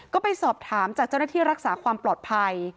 ก็ไปสอบถามจากเจ้าหน้าที่รักษาความปลอดภัย